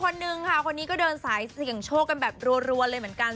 และคนนี้ก็เดินสายเสียงโชคกันแบบรวดรวนเลยเหมือนกัน